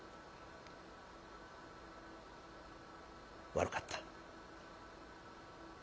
「悪かった」。